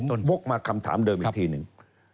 สุดท้ายผมวกมาคำถามเดิมอีกทีหนึ่ง